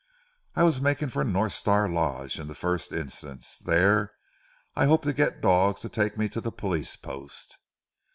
"I was making for North Star Lodge in the first instance. There, I hoped to get dogs to take me to the police post."